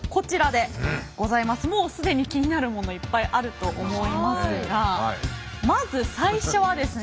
もう既に気になるものいっぱいあると思いますがまず最初はですね